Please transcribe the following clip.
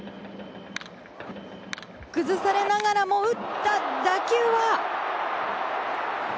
崩されながらも打った打球は。